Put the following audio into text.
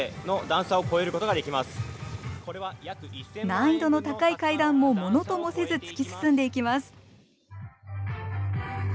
難易度の高い階段もものともせず突き進んでいきます。